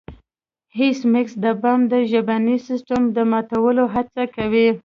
ایس میکس د بم د ژبني سیستم د ماتولو هڅه کوي